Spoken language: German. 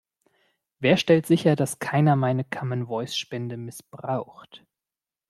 Wer stellt sicher, dass keiner meine Common Voice Spende missbraucht?